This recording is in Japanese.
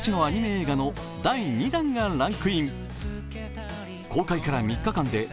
映画の第２弾がランクイン。